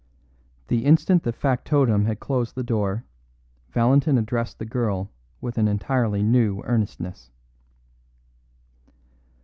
The instant the factotum had closed the door, Valentin addressed the girl with an entirely new earnestness.